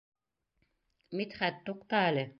Мидхәт, туҡта әле.